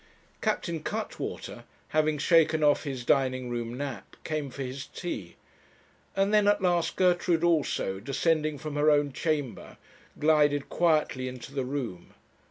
Captain Cuttwater, having shaken off his dining room nap, came for his tea; and then, at last, Gertrude also, descending from her own chamber, glided quietly into the room.